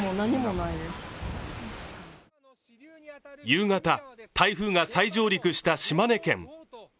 夕方、台風が再上陸した島根県。